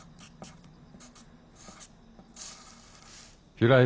平井